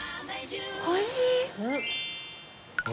おいしい！